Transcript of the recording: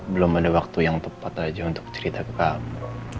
belum ada waktu yang tepat aja untuk cerita ke kamu